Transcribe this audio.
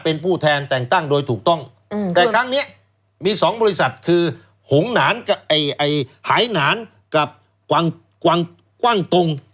เป็นผู้แทนแต่งตั้งโดยถูกต้องแต่ครั้งนี้มี๒บริษัทคือหงหนานหายหนานกับกว้างตรง